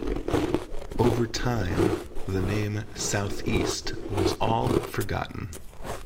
Over time, the name Southeast was all but forgotten.